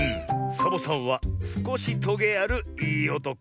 「サボさんはすこしトゲあるいいおとこ」。